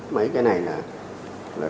mấy cái này là